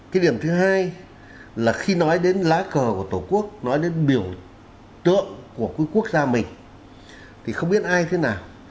nhưng mà tôi là khi nào tôi nhìn lên lá cờ của tổ quốc nói đến biểu tượng của quốc gia mình thì không biết ai thế nào